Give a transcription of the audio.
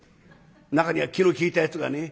中には気の利いたやつがね